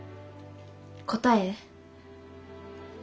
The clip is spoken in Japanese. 答え？